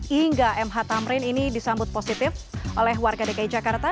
hingga mh tamrin ini disambut positif oleh warga dki jakarta